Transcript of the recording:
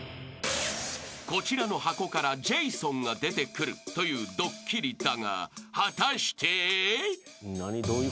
［こちらの箱からジェイソンが出てくるというドッキリだが果たして］